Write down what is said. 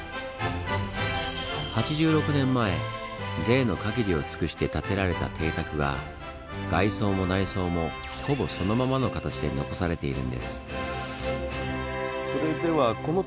８６年前贅の限りを尽くして建てられた邸宅が外装も内装もほぼそのままの形で残されているんです。